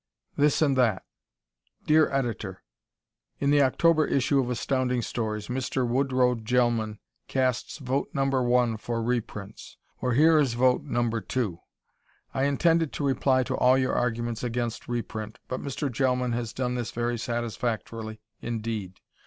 This and That Dear Editor: In the October issue of Astounding Stories, Mr. Woodrow Gelman casts vote No. 1 for reprints. Well, here is vote No. 2. I intended to reply to all your arguments against reprint, but Mr. Gelman has done this very satisfactorily, indeed.